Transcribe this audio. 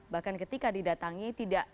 bahkan ketika didatangi